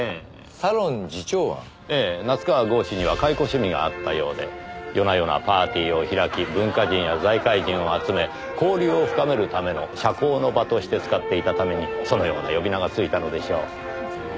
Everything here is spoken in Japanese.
ええ夏河郷士には懐古趣味があったようで夜な夜なパーティーを開き文化人や財界人を集め交流を深めるための社交の場として使っていたためにそのような呼び名がついたのでしょう。